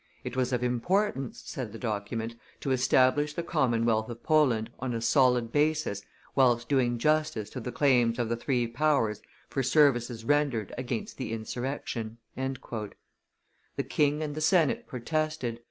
"It was of importance," said the document, "to establish the commonwealth of Poland on a solid basis whilst doing justice to the claims of the three powers for services rendered against the insurrection." The king and the senate protested.